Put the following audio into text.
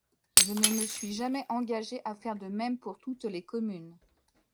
Je ne me suis jamais engagé à faire de même pour toutes les communes.